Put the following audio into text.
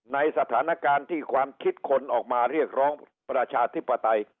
ในสถานการณ์ที่ความคิดคนออกมาเรียกร้องประชาธิปไตย